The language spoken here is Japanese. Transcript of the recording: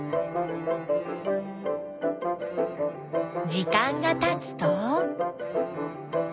時間がたつと。